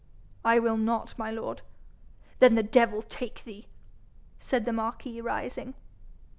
'I will not, my lord.' 'Then the devil take thee!' said the marquis, rising.